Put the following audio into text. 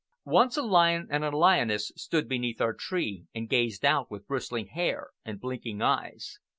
Once a lion and a lioness stood beneath our tree and gazed out with bristling hair and blinking eyes.